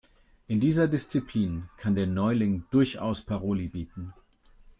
In dieser Disziplin kann der Neuling durchaus Paroli bieten.